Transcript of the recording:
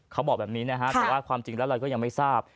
เขาบอกแบบนี้นะฮะแต่ว่าความจริงแล้วเราก็ยังไม่ทราบ